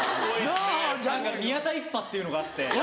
何か宮田一派っていうのがあって。